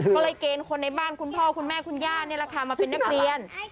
ก็เลยเกณฑ์คนในบ้านคุณพ่อคุณแม่คุณย่านี่แหละค่ะมาเป็นนักเรียน